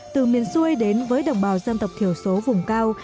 từ miền xuôi đến với đồng bào dân tộc thiểu số vùng cao